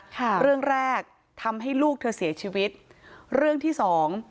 ค่ะเรื่องแรกทำให้ลูกเธอเสียชีวิตเรื่องที่สอง